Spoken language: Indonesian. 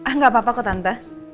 ah nggak apa apa kok tante